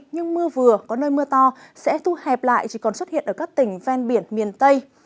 nhưng mưa vừa có nơi mưa to sẽ thu hẹp lại chỉ còn xuất hiện ở các tỉnh ven biển miền tây